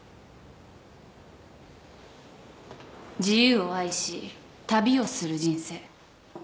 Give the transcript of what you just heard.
自由を愛し旅をする人生。